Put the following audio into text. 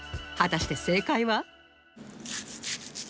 果たして正解は？